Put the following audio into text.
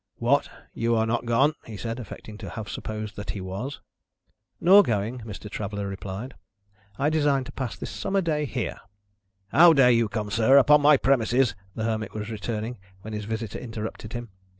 "What? You are not gone?" he said, affecting to have supposed that he was. "Nor going," Mr. Traveller replied: "I design to pass this summer day here." "How dare you come, sir, upon my promises " the Hermit was returning, when his visitor interrupted him.